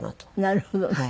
なるほどね。